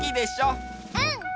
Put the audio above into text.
うん！